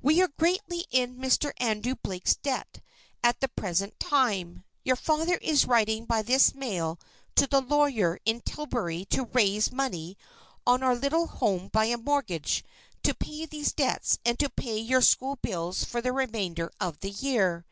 We are greatly in Mr. Andrew Blake's debt at the present time. Your father is writing by this mail to the lawyer in Tillbury to raise money on our little home by a mortgage to pay these debts and to pay your school bills for the remainder of the year.